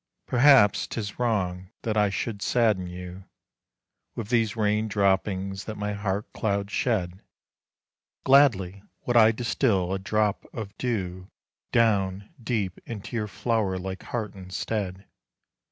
Perhaps 'tis wrong that I should sadden you With these rain droppings that my heart clouds shed; Gladly would I distill a drop of dew Down deep into your flower like heart instead.